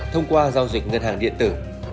thông qua giao dịch ngân hàng điện tử